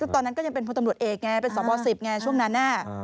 ตอนนั้นก็ยังเป็นพลตำรวจเอกไงเป็นสบ๑๐ไงช่วงนั้น